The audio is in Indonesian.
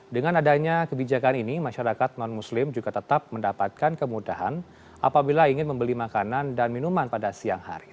dengan adanya kebijakan ini masyarakat non muslim juga tetap mendapatkan kemudahan apabila ingin membeli makanan dan minuman pada siang hari